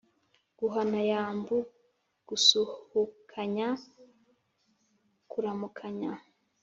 guhana yambu: gusuhukanya, kuramukanya